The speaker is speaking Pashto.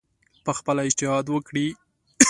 پخپله اجتهاد وکړي